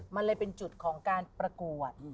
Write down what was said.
มันเลยเป็นจุดของการประกวด